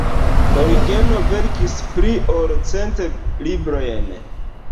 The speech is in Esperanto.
Origeno verkis pli ol cent librojn.